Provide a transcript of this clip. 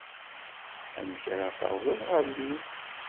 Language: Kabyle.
Amek ara tawḍeḍ ɣer din?